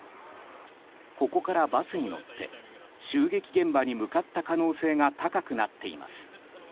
ここからバスに乗って襲撃現場に向かった可能性が高くなっています。